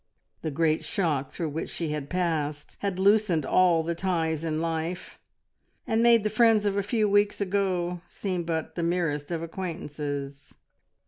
The great shock through which she had passed had loosened all the ties in life, and made the friends of a few weeks ago seem but the merest of acquaintances.